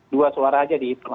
dua suara aja dihitung